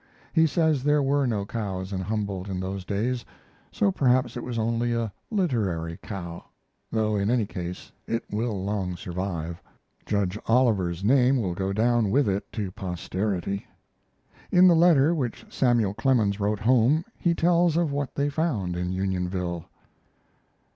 He says there were no cows in Humboldt in those days, so perhaps it was only a literary cow, though in any case it will long survive. Judge Oliver's name will go down with it to posterity. In the letter which Samuel Clemens wrote home he tells of what they found in Unionville.